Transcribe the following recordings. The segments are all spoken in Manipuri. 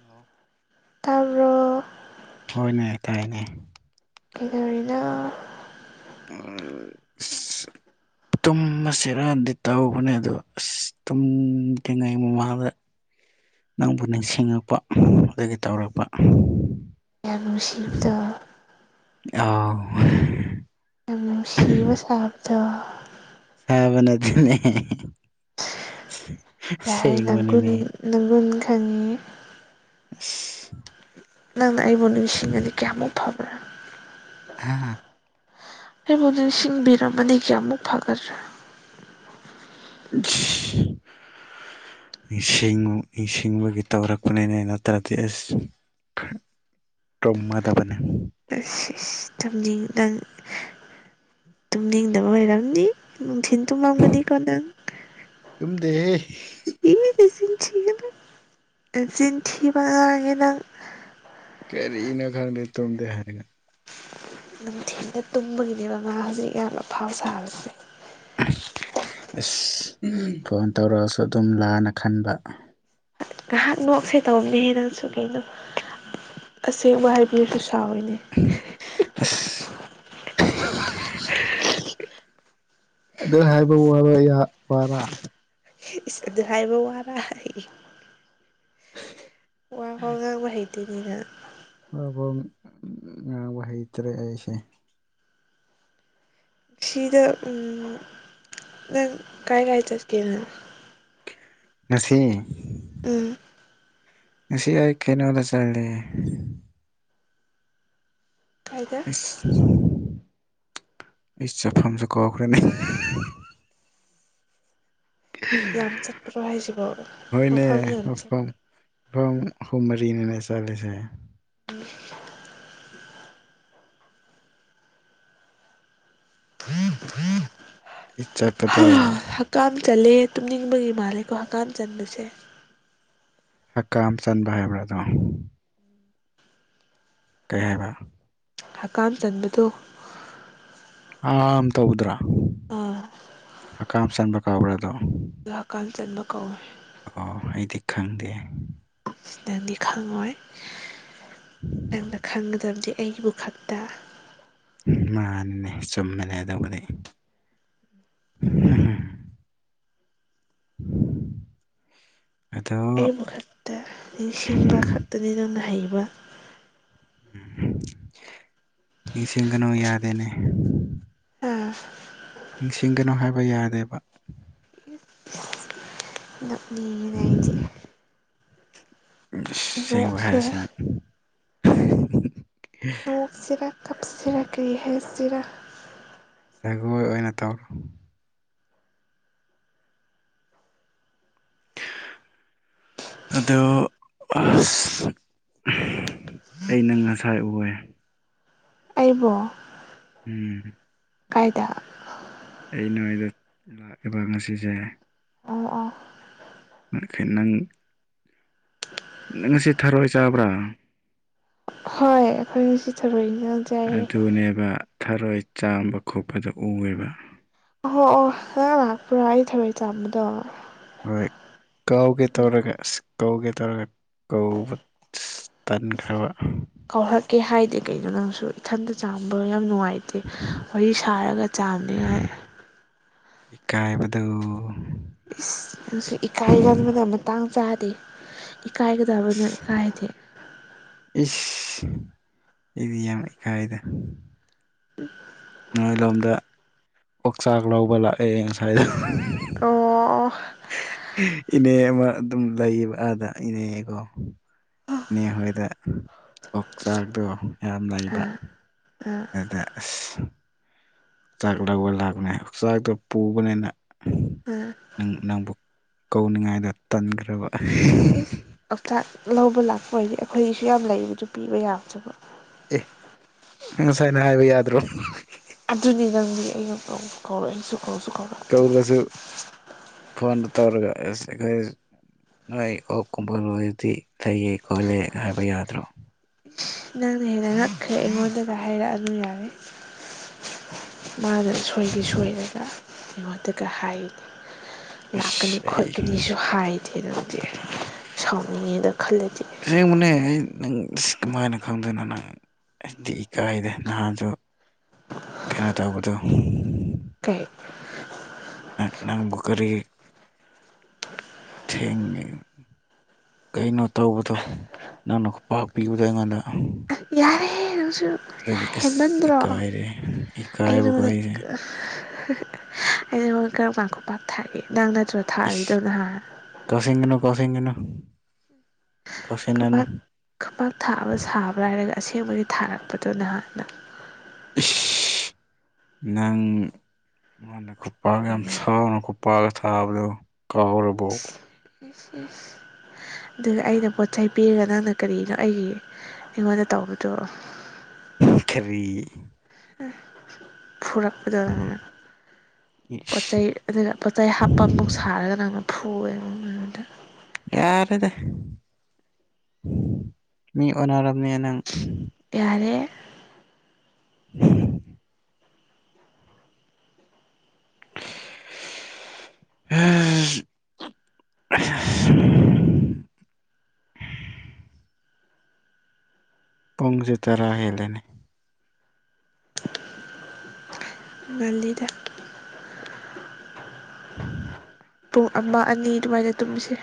ꯍꯥꯎ ꯇꯥꯕꯔꯣ ꯍꯣꯏꯅꯦ ꯇꯥꯏꯅꯦ꯫ ꯀꯩꯗꯧꯔꯤꯅꯣ꯫ [unintelligible] ꯇꯨꯝꯃꯁꯤꯔꯗꯤ ꯇꯥꯎꯧꯕꯅꯦ ꯑꯗꯣ ꯑꯁ ꯇꯨꯝꯗ꯭ꯔꯤꯉꯩ ꯃꯃꯥꯡꯗ꯫ ꯅꯪꯕꯨ ꯅꯤꯡꯁꯤꯡꯉꯛꯄ ꯑꯗꯨꯒꯤ ꯇꯧꯔꯛꯄ꯫ ꯌꯥꯝ ꯅꯨꯡꯁꯤꯕꯗꯣ꯫ ꯑꯣ꯫ ꯌꯥꯝ ꯅꯨꯡꯁꯤꯕ ꯁꯥꯕꯗꯣ꯫ ꯁꯥꯕ ꯅꯠꯇꯦꯅꯦ꯫ ꯌꯥꯦ ꯅꯪꯨ ꯑꯁꯦꯡꯕꯅꯤꯅꯦ ꯅꯪꯒꯨꯟ ꯈꯪꯉꯤ ꯑ ꯅꯪꯅ ꯑꯩꯕꯨ ꯅꯤꯡꯁꯤꯡꯑꯗꯤ ꯀꯌꯥꯃꯨꯛ ꯐꯕꯅꯥ ꯍꯥꯥ ꯑꯩꯕꯨꯗꯤ ꯅꯤꯡꯁꯤꯡꯕꯤꯔꯝꯃꯅꯤ ꯀꯌꯥꯃꯨꯛ ꯐꯒꯠ꯭ꯔꯦ [inaudible] ꯅꯤꯡꯁꯤꯡꯉ ꯅꯤꯡꯁꯤꯡꯕꯒꯤ ꯇꯧꯔꯛꯄꯅꯤꯅ ꯑꯩ ꯅꯠꯇ꯭ꯔꯗꯤ ꯑꯁ ꯇꯣꯝꯃꯥꯗꯕꯅꯦ ꯇꯝꯅꯤꯡ ꯅꯪ ꯇꯨꯝꯅꯤꯡꯗꯕ ꯑꯣꯏꯔꯝꯅꯤ ꯅꯨꯊꯤꯟ ꯇꯨꯝꯃꯝꯒꯅꯤꯀꯣ ꯅꯪ꯫ ꯇꯨꯝꯗꯦꯍꯦ꯫ ꯏ ꯅꯆꯤꯟ ꯊꯤꯒꯅꯨ ꯅꯆꯤꯟ ꯊꯤꯕ ꯉꯥꯡꯉꯦ ꯅꯪ꯫ ꯀꯔꯤꯅꯣ ꯈꯪꯗꯦ ꯇꯨꯝꯗꯦ ꯍꯥꯏꯔꯒ꯫ ꯅꯨꯡꯊꯤꯟꯗ ꯇꯨꯝꯕꯒꯤꯅꯦꯕ ꯃꯥ ꯍꯧꯖꯤꯛ ꯌꯥꯝ ꯑꯐꯥꯎ ꯁꯥꯕꯁꯦ꯫ ꯑꯁ ꯐꯣꯟ ꯇꯧꯔꯛꯑꯁꯨ ꯑꯗꯨꯝ ꯂꯥꯅ ꯈꯟꯕ꯫ ꯉꯥꯏꯍꯥꯛ ꯅꯣꯛꯁꯦ ꯇꯧꯕꯅꯦꯍꯦ ꯅꯪꯁꯨ ꯀꯩꯅꯣ ꯑꯁꯦꯡꯕ ꯍꯥꯏꯕꯤꯔꯁꯨ ꯁꯥꯎꯋꯦꯅꯦ꯫ [unintelligible] ꯑꯗꯨ ꯍꯥꯏꯕ ꯋꯥꯕ ꯌꯥ ꯋꯥꯔꯥ꯫ ꯑꯗꯨ ꯍꯥꯏꯕ ꯋꯥꯔ ꯑꯩ꯫ ꯋꯥꯐꯥꯎ ꯉꯥꯡꯕ ꯍꯩꯇꯦꯅꯦ ꯅꯪ꯫ ꯋꯥꯐꯥꯎ ꯉꯥꯡꯕ ꯍꯩꯇ꯭ꯔꯦ ꯑꯩꯁꯦ꯫ ꯁꯤꯗ ꯅꯪ ꯀꯥꯏ ꯀꯥꯏ ꯆꯠꯀꯦꯅ꯫ ꯉꯁꯤ꯫ ꯎꯝ꯫ ꯉꯁꯤ ꯑꯩ ꯀꯩꯅꯣꯗ ꯆꯜꯂ꯫ ꯀꯥꯏꯗ꯫ ꯏꯁ ꯑꯩ ꯆꯥꯐꯝꯁꯨ ꯀꯥꯎꯈ꯭ꯔꯦꯅꯦ꯫ ꯌꯥꯝ ꯆꯠꯄ꯭ꯔꯣ ꯍꯥꯏꯁꯤꯕꯣ ꯍꯣꯏꯅꯦ ꯃꯐꯝ ꯌꯥꯝ ꯆꯠ ꯃꯐꯝ꯫ ꯃꯐꯝ ꯍꯨꯝ ꯃꯔꯤꯅꯤꯅꯦ ꯆꯠꯂꯤꯁꯦ꯫ [unintelligible] ꯏ ꯆꯄꯗꯣ꯫ ꯍꯀꯥꯝ ꯆꯜꯂꯦ ꯇꯨꯝꯅꯤꯡꯕꯒꯤ ꯃꯥꯜꯂꯦꯀꯣ ꯍꯛꯀꯥꯝ ꯆꯟꯕꯁꯦ꯫ ꯍꯛꯀꯥꯝ ꯆꯟꯕ ꯍꯥꯏꯕ꯭ꯔꯥ ꯑꯗꯣ꯫ ꯀꯩ ꯍꯥꯏꯕ꯫ ꯍꯀꯥꯝ ꯆꯟꯕꯗꯣ꯫ ꯑꯝ ꯇꯧꯕꯗꯨꯔꯥ꯫ ꯑꯥ꯫ ꯍꯀꯥꯝ ꯆꯟꯕ ꯀꯧꯕ꯭ꯔꯥꯗꯣ꯫ ꯗꯨ ꯍꯀꯥꯝ ꯆꯟꯕ ꯀꯧꯑꯦ꯫ ꯑꯣ ꯑꯩꯗꯤ ꯈꯪꯗꯦ꯫ ꯁꯤ ꯅꯪꯗꯤ ꯈꯪꯉꯣꯏ ꯅꯪꯅ ꯈꯪꯒꯗꯕꯗꯤ ꯑꯩꯕꯨ ꯈꯛꯇ꯫ ꯃꯥꯅꯤꯅꯦ ꯆꯨꯝꯕꯅꯦ ꯑꯗꯨꯕꯨꯗꯤ꯫ [inaudible] ꯑꯗꯣ ꯑꯩꯕꯨ ꯈꯛꯇ ꯅꯤꯡꯁꯤꯡꯕ ꯈꯛꯇꯅꯦ ꯅꯪꯅ ꯍꯩꯕ꯫ ꯎꯝ ꯅꯤꯡꯁꯤꯡꯒꯅꯨ ꯌꯥꯗꯦꯅꯦ꯫ ꯑꯥ ꯅꯤꯡꯁꯤꯡꯒꯅꯨ ꯍꯥꯏꯕ ꯌꯥꯗꯦꯕ ꯅꯞꯅꯤꯡꯉꯤꯅ ꯑꯩꯗꯤ ꯁꯤꯕ ꯅꯣꯛꯁꯤꯔꯥ ꯍꯥꯏꯁ ꯑꯣꯛ ꯆꯖꯤꯔꯥ ꯀꯞꯁꯤ ꯔꯈꯔꯤ ꯍꯥꯏ ꯆꯖꯤꯔꯥ ꯖꯒꯣꯏ ꯑꯣꯏꯅ ꯇꯧꯔꯣ꯫ ꯑꯗꯣ ꯑꯁ ꯑꯩꯅ ꯉꯁꯥꯏ ꯎꯋꯦ꯫ ꯑꯩꯕꯣ꯫ ꯎꯝ꯫ ꯀꯥꯏꯗ꯫ ꯑꯩꯅꯣꯏꯗ ꯂꯥꯛꯏꯕ ꯉꯁꯤꯁꯦ ꯑ ꯑ ꯅꯪꯅꯈꯩ ꯅꯪ [unintelligible] ꯅꯪ ꯉꯁꯤ ꯊꯔꯣꯏ ꯆꯥꯕ꯭ꯔꯥ꯫ ꯍꯣꯏ ꯑꯩꯈꯣꯏ ꯉꯁꯤ ꯊꯔꯣꯏ ꯏꯟꯖꯥꯡ ꯆꯥꯏꯌꯦ ꯑꯗꯨꯅꯦꯕ ꯊꯔꯣꯏ ꯆꯥꯝꯕ ꯈꯣꯠꯄꯗ ꯎꯑꯦꯕ ꯑꯣꯍꯣ ꯑꯣ ꯅꯪ ꯂꯥꯛꯄ꯭ꯔꯥ ꯑꯩ ꯊꯔꯣꯏ ꯆꯥꯝꯕꯗꯣ ꯍꯣꯏ ꯀꯥꯎꯒꯦ ꯇꯧꯔꯒ ꯑꯁ ꯀꯥꯎꯒꯦ ꯇꯧꯔꯒ ꯀꯧꯕ ꯇꯟꯈ꯭ꯔꯕ ꯀꯧꯔꯛꯀꯦ ꯍꯥꯏꯗꯦ ꯀꯩꯅꯣ ꯅꯪꯁꯨ ꯏꯊꯟꯇ ꯆꯥꯝꯕ ꯌꯥꯝ ꯅꯨꯡꯉꯥꯏ ꯇꯦ ꯋꯥꯔꯤ ꯁꯥꯔꯒ ꯆꯥꯝꯅꯤꯉꯥꯏ ꯏꯀꯥꯏꯕꯗꯨ ꯏꯁ ꯅꯪꯁꯨ ꯏꯀꯥꯏꯒꯟꯕꯗ ꯃꯇꯥꯡ ꯆꯥꯗꯦ ꯏꯀꯥꯏꯒꯗꯕꯅ ꯏ ꯑꯁ ꯀꯥꯏꯗꯦ ꯏꯁ ꯑꯩꯗꯤ ꯌꯥꯝ ꯏꯀꯥꯏꯗ [unintelligible] ꯅꯣꯏ ꯂꯣꯝꯗ ꯑꯣꯛꯆꯥꯛ ꯂꯧꯕ ꯂꯥꯛꯑꯦ ꯉꯁꯥꯏꯗꯣ ꯑꯣ ꯏꯅꯦ ꯑꯃ ꯑꯗꯨꯝ ꯂꯩꯌꯦꯕ ꯑꯥꯗ ꯏꯅꯦꯀꯣ ꯏꯅꯦ ꯍꯣꯏꯗ ꯑꯣꯛꯆꯥꯛꯗꯣ ꯌꯥꯝ ꯑꯥ ꯑꯥ ꯂꯩꯕ ꯑꯗ ꯑꯁ ꯆꯥꯛ ꯂꯧꯕ ꯂꯥꯛꯄꯅꯦ ꯑꯣꯛꯆꯥꯛꯇꯣ ꯄꯨꯕꯅꯦꯅ ꯑ ꯅꯪꯕꯨ ꯀꯧꯅꯤꯡꯉꯥꯏꯗꯣ ꯇꯟꯈ꯭ꯔꯕ ꯑꯣꯛꯆꯥꯛ ꯂꯧꯕ ꯂꯥꯛꯄ ꯑꯣꯏꯔꯗꯤ ꯑꯩꯈꯣꯏꯒꯤꯁꯨ ꯌꯥꯝ ꯂꯩꯕꯗꯨ ꯄꯤꯕ ꯌꯥꯒꯗꯨꯕꯨ ꯑꯦ ꯉꯁꯥꯏꯅ ꯍꯥꯏꯕ ꯌꯥꯗ꯭ꯔꯣ ꯑꯗꯨꯅꯤ ꯅꯪꯗꯤ ꯑꯩꯅ ꯀꯧꯁꯨ ꯀꯧꯔꯣꯏ ꯑꯩꯁꯨ ꯀꯧꯁꯨ ꯀꯧꯔꯣꯏ ꯀꯧꯗ꯭ꯔꯁꯨ ꯐꯣꯟꯗ ꯇꯧꯔꯒ ꯑꯁ ꯑꯩꯈꯣꯏ ꯅꯣꯏ ꯑꯣꯛ ꯀꯨꯝꯕ ꯂꯣꯏꯔꯗꯤ ꯂꯩꯑꯦ ꯈꯣꯠꯂꯦ ꯍꯥꯏꯕ ꯌꯥꯗ꯭ꯔꯣ ꯅꯪꯅ ꯍꯦꯟꯅ ꯉꯛꯈ꯭ꯔꯦ ꯑꯩꯉꯣꯟꯗꯒ ꯍꯥꯏꯔꯛꯑꯅꯨ ꯌꯥꯔꯦ ꯃꯥꯅ ꯁꯣꯏꯗꯤ ꯁꯣꯏꯔꯒ ꯑꯩꯉꯣꯟꯗꯒ ꯍꯥꯏꯔꯤꯅꯤ ꯂꯥꯛꯀꯅꯤ ꯑꯁ ꯑꯩ ꯈꯣꯠꯀꯅꯤꯁꯨ ꯍꯥꯏꯗꯦ ꯅꯪꯗꯤ ꯁꯥꯎꯅꯤꯡꯉꯦꯗ ꯈꯜꯂꯗꯤ ꯑꯁꯦꯡꯕꯅꯦ ꯑꯩ ꯅꯪ ꯀꯃꯥꯏꯅꯥ ꯈꯪꯗꯨꯏꯅꯣ ꯅꯪ ꯑꯩ ꯊꯤ ꯏꯀꯥꯏꯔꯦ ꯅꯍꯥꯟꯁꯨ ꯀꯩꯅꯣ ꯇꯧꯕꯗꯣ ꯀꯩ ꯅꯪꯕꯨ ꯨꯀꯥꯔꯤ ꯊꯦꯡꯉꯦ ꯀꯩꯅꯣ ꯇꯧꯕꯗꯣ ꯅꯪꯅ ꯈꯨꯄꯥꯛ ꯄꯤꯕꯗꯣ ꯑꯩꯉꯣꯟꯗ ꯌꯥꯔꯦ ꯅꯪꯁꯨ ꯑꯗꯒꯤ ꯑꯁ ꯍꯦꯟꯃꯟꯗ꯭ꯔꯣ ꯏꯀꯥꯏꯔꯦ ꯑꯩ ꯏꯀꯥꯏꯕꯒ ꯅꯉꯣꯟꯗ ꯍꯥꯢꯌꯦ ꯑꯩ ꯅꯉꯣꯟꯗ ꯀꯔꯝꯒꯥꯟꯗ ꯈꯨꯄꯥꯛ ꯊꯒꯦ ꯅꯪ ꯅꯠꯇ꯭ꯔꯣ ꯊꯥꯔꯤꯗꯣ ꯅꯍꯥꯜ ꯇꯧꯁꯤꯟꯒꯅꯣ ꯇꯧꯁꯤꯟꯒꯅꯣ ꯈꯨꯄꯥꯛ ꯈꯨꯄꯥꯛ ꯊꯥꯕ ꯁꯥꯕꯔ ꯍꯥꯏꯔꯒ ꯑꯁꯦꯡꯕꯒꯤ ꯊꯥꯔꯛꯄꯗꯣ ꯅꯍꯥꯟꯅ ꯏꯁ ꯅꯪ ꯅꯉꯣꯟꯗ ꯈꯨꯄꯥꯛ ꯌꯥꯝ ꯁꯥꯎꯅ ꯈꯨꯄꯥꯛ ꯊꯥꯕꯗꯣ ꯀꯥꯎꯔꯕꯣ꯫ ꯏꯁ ꯏꯁ ꯑꯗꯨꯒ ꯑꯩꯅ ꯄꯣꯠ ꯆꯩꯩ ꯄꯤꯔꯒ ꯅꯪꯅ ꯀꯔꯤꯅꯣ ꯑꯩꯒꯤ ꯑꯩꯉꯣꯟꯗ ꯇꯧꯕꯗꯣ ꯀꯔꯤ ꯐꯨꯔꯛꯄꯗꯨ ꯄꯣꯠ ꯏꯁ ꯆꯩ ꯑꯗꯨꯒ ꯄꯣꯠ ꯆꯩ ꯍꯥꯞꯄꯃꯨꯛ ꯁꯥꯔꯒ ꯅꯪꯅ ꯐꯨꯑꯦ [unintelligible] ꯌꯥꯔꯦꯗ ꯃꯤ ꯑꯣꯟꯅꯔꯕꯅꯦ ꯅꯪ ꯌꯥꯔꯦ ꯎꯝ [inaudible] ꯎꯝ [inaudible] [unintelligible] ꯄꯨꯡꯁꯦ ꯇꯔꯥ ꯍꯦꯜꯂꯦꯅꯦ ꯉꯥꯜꯂꯤꯗ ꯄꯨꯡ ꯑꯃ ꯑꯅꯤ ꯑꯗꯨꯃꯥꯏꯅ ꯇꯨꯝꯃꯤꯁꯦ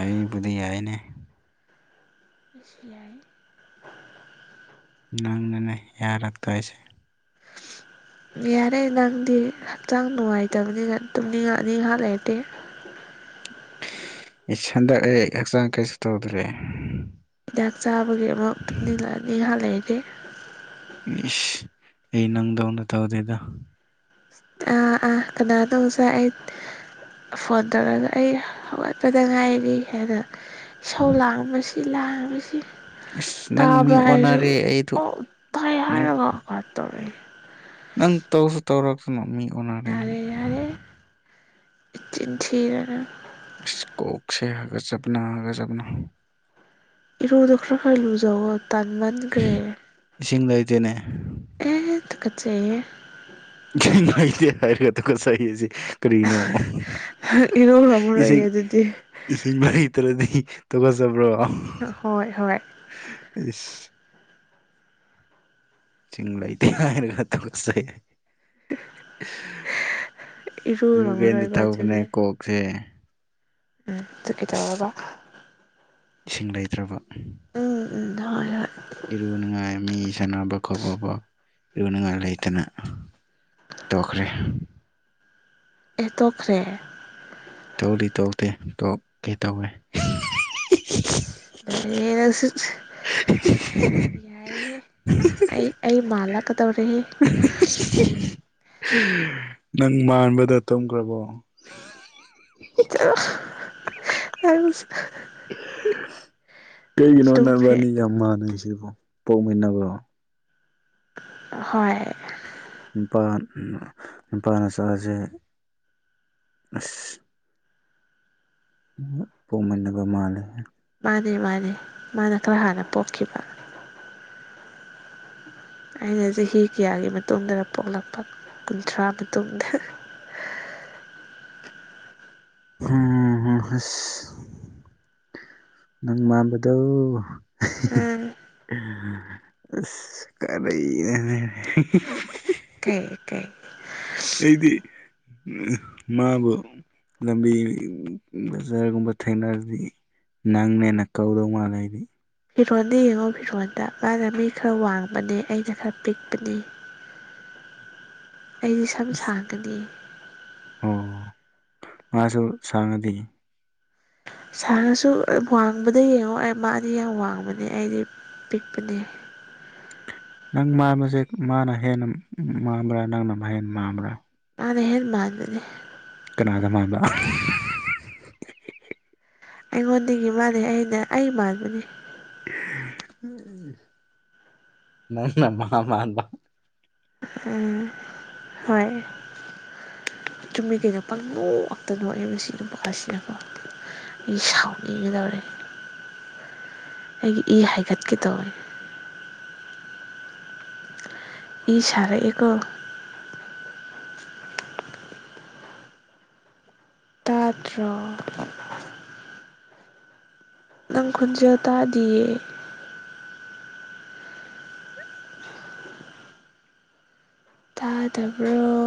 ꯑꯩꯕꯨꯗꯤ ꯌꯥꯏꯅꯦ ꯑꯩꯁꯨ ꯌꯥꯥꯏ ꯅꯪꯅꯅꯦ ꯌꯥꯔꯛꯇꯣꯏꯁꯦ ꯌꯥꯔꯦ ꯅꯪꯗꯤ ꯍꯛꯆꯥꯡ ꯅꯨꯡꯉꯥꯏꯇꯕꯅꯤꯅ ꯇꯨꯝꯅꯤꯡ ꯑꯅꯤ ꯉꯍꯥꯛ ꯂꯩꯔꯗꯤ ꯍꯟꯗꯛ ꯑꯩ ꯍꯛꯆꯥꯡ ꯀꯩꯁꯨ ꯇꯧꯗ꯭ꯔꯦ ꯍꯤꯗꯥꯛ ꯆꯥꯕꯒꯤ ꯑꯃꯨꯛ ꯇꯨꯝꯅꯤꯜꯂꯛꯑꯅꯤ ꯉꯩꯍꯥꯛ ꯂꯩꯔꯗꯤ ꯏꯁꯁ ꯑꯩ ꯅꯪꯗꯧꯅ ꯇꯧꯗꯦꯗ ꯑꯥ ꯑꯥ ꯀꯅꯥꯅꯣ ꯉꯁꯥꯢ ꯑꯩ ꯐꯣꯟ ꯇꯧꯔꯛꯑꯒ ꯑꯩ ꯍꯧꯒꯠꯄꯗ ꯉꯥꯏꯔꯤ ꯍꯥꯏꯅ ꯢꯁꯧ ꯂꯥꯡꯕꯁꯤ ꯂꯥꯡꯕꯁꯤ ꯏꯁ ꯅꯪ ꯇꯥꯕ ꯃꯤ ꯍꯥꯏꯔꯁꯨ ꯑꯣꯟꯅꯔꯦ ꯑꯩꯗꯨ ꯑꯣ ꯇꯥꯢ ꯅꯪ ꯍꯥꯢꯔꯒ ꯑ ꯇꯧꯔꯛꯌꯦ ꯅꯪ ꯇꯧꯁꯨ ꯇꯧꯔꯛꯇꯅ ꯃꯤ ꯑꯣꯟꯅꯔꯦ ꯅꯪ ꯅꯆꯤꯟ ꯊꯤꯗꯅ ꯏꯁ ꯀꯣꯛꯁꯦ ꯍꯥꯒꯠꯆꯕꯅꯥ ꯍꯥꯒꯠꯆꯕꯅꯥ ꯏꯔꯨꯗꯣ ꯈꯔ ꯈꯔ ꯂꯨꯖꯧꯑꯣ ꯇꯥꯟꯃꯟꯈ꯭ꯔꯦ ꯏꯁꯤꯡ ꯂꯩꯇꯦꯅꯦ ꯑꯦ ꯇꯨꯒꯨꯠꯆꯩꯌꯦ ꯢꯁꯥ ꯅꯨꯡꯉꯥꯏꯇꯦ ꯍꯥꯏꯔꯒ ꯇꯨꯒꯠꯆꯩꯌꯦ ꯀꯔꯤꯀꯤꯅꯣ ꯏꯔꯨꯔꯝꯃꯔꯣꯏꯌꯦ ꯏꯁꯤꯡ ꯑꯗꯨꯗꯤ ꯏꯁꯤꯡ ꯂꯩꯇ꯭ꯔꯗꯤ ꯇꯨꯒꯠꯆꯕ꯭ꯔꯣ ꯍꯣꯏ ꯍꯣꯏ [inaudible] ꯏꯁꯤꯡ ꯂꯩꯇꯦ ꯍꯥꯢꯔꯒ ꯇꯨꯒꯠꯆꯩꯌꯦ ꯨ ꯂꯨꯒꯦꯅ ꯏꯔꯨꯔꯝꯃꯔꯣꯏꯕ ꯇꯧꯕꯅꯦ ꯑꯗꯨꯒꯤ ꯀꯣꯛꯁꯦ ꯎꯝ ꯑꯗꯨ ꯑꯁ ꯀꯩꯗꯧꯔꯕ ꯏꯁꯤꯡ ꯂꯩꯇ꯭ꯔꯕ ꯎꯝ ꯎꯝ ꯍꯣꯢ ꯍꯣꯢ ꯏꯔꯨꯅꯤꯉꯥꯏ ꯃꯤ ꯁꯥꯟꯅꯕ ꯈꯣꯠꯄꯕ ꯏꯔꯨ ꯉꯥꯏ ꯂꯩꯇꯅ ꯇꯣꯛꯈ꯭ꯔꯦ ꯑꯦꯇꯣꯈ꯭ꯔꯦ ꯇꯧꯗꯤ ꯇꯣꯛꯇꯦ ꯇꯣꯛ ꯀꯦ ꯇꯧꯋꯦ ꯏꯁ ꯌꯥꯏꯍꯦ ꯅꯪꯁꯨ ꯌꯥꯏꯍꯦ ꯑꯩ ꯑꯩ ꯃꯥꯜꯂꯛꯀꯗꯧꯔꯦꯍꯦ ꯅꯪ ꯃꯥꯟꯕꯗ ꯇꯝꯈ꯭ꯔꯕꯣ ꯑꯁ ꯀꯩꯒꯤꯅꯣ ꯇꯨꯝꯈ꯭ꯔꯦ ꯅꯕꯥꯟꯅꯤ ꯌꯥꯝ ꯃꯅꯩꯁꯤꯕꯨ ꯄꯣꯛꯃꯤꯟꯅꯕ꯭ꯔꯣ ꯍꯣꯏ ꯅꯨꯄꯥ ꯅꯨꯄꯥ ꯃꯆꯥꯁꯦ ꯑꯁ ꯄꯣꯛꯃꯤꯟꯅꯕ ꯃꯥꯜꯂꯦ ꯃꯥꯅꯦ ꯃꯥꯅꯦ ꯃꯥꯅ ꯈꯔ ꯍꯥꯟꯅ ꯄꯣꯛꯈꯤꯕ ꯑꯩꯅ ꯆꯍꯤ ꯀꯌꯥꯒꯤ ꯃꯇꯨꯡꯗ ꯄꯣꯛꯂꯛꯄ ꯀꯨꯟꯊ꯭ꯔꯥ ꯃꯇꯨꯡꯗ ꯎꯝ ꯑꯁ ꯅꯪ ꯃꯥꯟꯕꯗꯣ ꯎꯝ ꯑꯁ ꯀꯔꯤꯅꯣꯅꯦ ꯀꯩ ꯀꯩ ꯑꯩꯗꯤ ꯎ ꯃꯥꯕꯨ ꯂꯝꯕꯤ ꯕꯖꯥꯔꯒꯨꯝꯕ ꯊꯦꯡꯅꯔꯗꯤ ꯅꯪꯅꯦꯅ ꯀꯧꯗꯧ ꯃꯥꯜꯂꯦ ꯑꯩꯗꯤ ꯐꯤꯔꯣꯟꯗ ꯌꯦꯡꯉꯣ ꯐꯤꯔꯣꯟꯗ ꯃꯥꯅ ꯃꯤ ꯈꯔ ꯋꯥꯡꯕꯅꯦ ꯑꯩꯅ ꯈꯔ ꯄꯤꯛꯄꯅꯤ ꯑꯩꯗꯤ ꯁꯝ ꯑꯁ ꯁꯥꯡꯗꯗꯤ ꯑꯣ ꯃꯥꯁꯨ ꯁꯥꯡꯉꯗꯤ ꯁꯥꯔꯁꯨ ꯋꯥꯡꯕꯗ ꯌꯦꯡꯉꯣ ꯑꯩ ꯃꯥꯗꯤ ꯌꯥꯝ ꯋꯥꯡꯕꯅꯦ ꯑꯩꯗꯤ ꯄꯤꯛꯄꯅꯦ ꯅꯪ ꯃꯥꯟꯕꯁꯦ ꯃꯥꯅ ꯍꯦꯟꯅ ꯃꯥꯡꯕ꯭ꯔꯥ ꯅꯪꯅ ꯍꯦꯟꯅ ꯃꯥꯟꯕ꯭ꯔꯥ ꯃꯥꯅ ꯍꯦꯟ ꯃꯥꯟꯕꯅꯦ ꯀꯅꯥꯒ ꯃꯥꯥꯟꯕ ꯑꯩꯉꯣꯟꯗꯒꯤ ꯃꯥꯟꯅ ꯑꯩꯅ ꯑꯩ ꯃꯥꯟꯕꯅꯦ ꯅꯪꯅ ꯃꯥ ꯃꯥꯟꯕ ꯎꯝ ꯍꯣꯏ ꯆꯨꯝꯃꯤ ꯀꯩꯩꯅꯣ ꯄꯪꯅꯣꯛꯇ ꯅꯣꯛꯑꯦ ꯑꯩꯁꯤ ꯅꯨꯄꯥꯁꯤꯅꯀꯣ ꯑꯩ ꯁꯥꯎꯅꯤꯡꯒꯗꯧꯔꯦ ꯑꯩꯒꯤ ꯏ ꯍꯥꯏꯒꯠꯀꯗꯧꯔꯦ ꯏ ꯁꯥꯔꯛꯑꯦꯀꯣ ꯇꯥꯗ꯭ꯔꯣ ꯅꯪ ꯈꯣꯟꯖꯦꯜ ꯇꯥꯗꯤꯌꯦ ꯇꯥꯗꯕ꯭ꯔꯣ